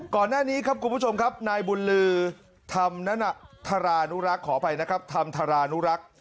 ก่อนหน้านี้ครับคุณผู้ชมครับนายบุญลือธรรมธารานุรักษ์ขออภัยนะครับธรรมธารานุรักษ์